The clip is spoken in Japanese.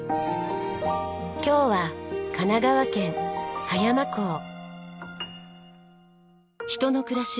今日は神奈川県葉山港。